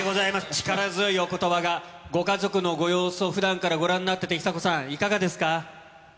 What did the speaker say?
力強いおことばが、ご家族のご様子をふだんからご覧になってて、久子さん、いかがですか。